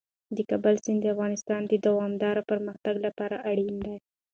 د کابل سیند د افغانستان د دوامداره پرمختګ لپاره اړین دی.